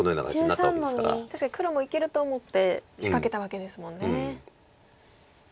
確かに黒もいけると思って仕掛けたわけですもんね。